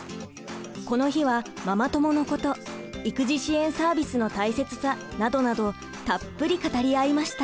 この日はママ友のこと育児支援サービスの大切さなどなどたっぷり語り合いました。